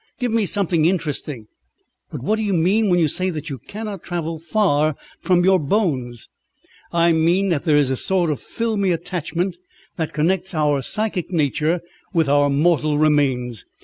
Give me something interesting!" "But what do you mean when you say that you cannot travel far from your bones?" "I mean that there is a sort of filmy attachment that connects our psychic nature with our mortal remains.